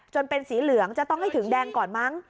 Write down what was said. เป็นสีเหลืองจะต้องให้ถึงแดงก่อนมั้ง